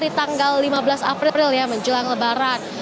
di tanggal lima belas april ya menjelang lebaran